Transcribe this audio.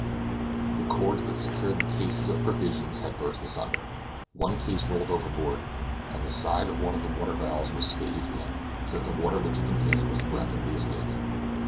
The cords that secured the cases of provisions had burst asunder. One case rolled overboard, and the side of one of the water barrels was staved in, so that the water which it contained was rapidly escaping.